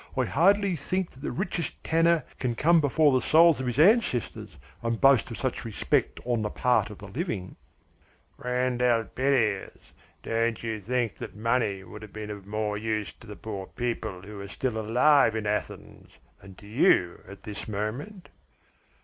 I hardly think that the richest tanner can come before the souls of his ancestors and boast of such respect on the part of the living." "Friend Elpidias, don't you think that money would have been of more use to the poor people who are still alive in Athens than to you at this moment?"